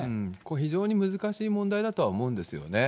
非常に難しい問題だとは思うんですよね。